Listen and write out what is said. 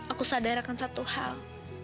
aku sadarkan satu hal